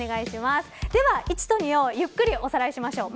では、♯１と♯２をゆっくりおさらいしましょう。